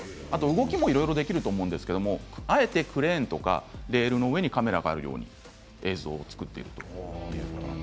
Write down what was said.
動きもいろいろできると思うんですがあえてクレーンの上にカメラがあるように映像を作っていると。